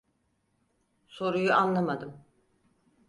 Soruyu anlamadım.